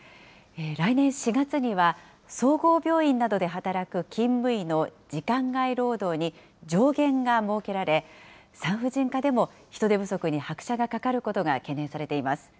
来年４月には総合病院などで働く勤務医の時間外労働に上限が設けられ、産婦人科でも人手不足に拍車がかかることが懸念されています。